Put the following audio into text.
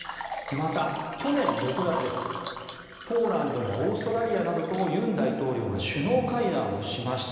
また去年６月、ポーランドやオーストラリアなどと尹大統領が首脳会談をしました。